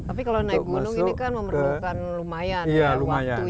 tapi kalau naik gunung ini kan memerlukan lumayan ya waktu yang cukup panjang